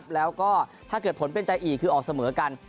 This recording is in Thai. แล้วก็ถ้าเกิดผลเป็นใจอีกคือออกเสมอกัน